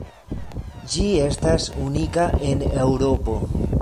Ĝi estas unika en Eŭropo.